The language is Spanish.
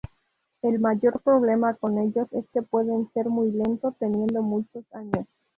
El mayor problema con ellos es que pueden ser muy lento, teniendo muchos años.